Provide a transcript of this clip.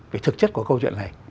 về thực chất của câu chuyện này